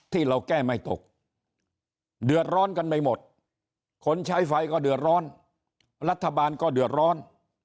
ที่เราแก้ไม่ตกเดือดร้อนกันไม่หมดคนใช้ไฟก็เดือดร้อนรัฐบาลก็เดือดร้อน